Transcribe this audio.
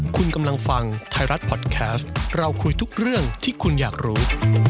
คุณกำลังฟังไทยรัฐพอดแคสต์เราคุยทุกเรื่องที่คุณอยากรู้